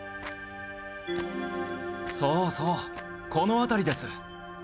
そうそうこの辺りです。